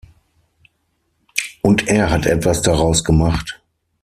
Und er hat etwas daraus gemacht.